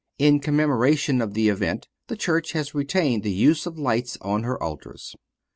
In commemoration of the event the Church has retained the use of lights on her altars.